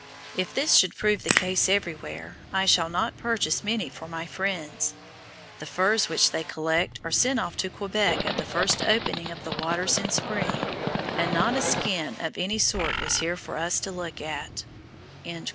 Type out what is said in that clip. If this should prove the case everywhere, I shall not purchase many for my friends. The furs which they collect are sent off to Quebec at the first opening of the waters in spring, and not a skin of any sort was here for us to look at."